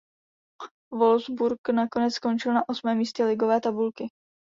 Wolfsburg nakonec skončil na osmém místě ligové tabulky.